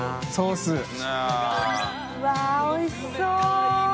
うわっおいしそう！